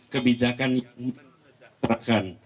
kebijakan yang menjejaskan